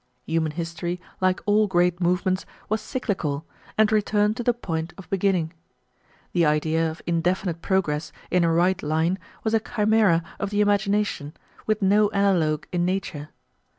Human history, like all great movements, was cyclical, and returned to the point of beginning. The idea of indefinite progress in a right line was a chimera of the imagination, with no analogue in nature.